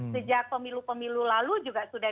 sejak pemilu pemilu lalu juga sudah